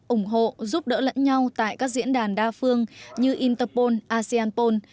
ủng hộ giúp đỡ lẫn nhau tại các diễn đàn đa phương như interpol aseanpol